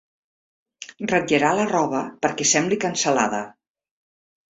Ratllarà la roba perquè sembli cansalada.